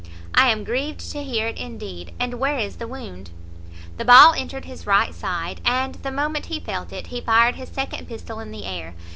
"I am grieved to hear it, indeed! And where is the wound?" "The ball entered his right side, and the moment he felt it, he fired his second pistol in the air.